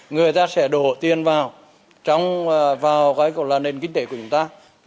người ta sẽ đổ tiền vào nền kinh tế của chúng ta